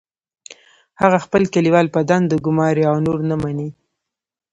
هغه خپل کلیوال په دندو ګماري او نور نه مني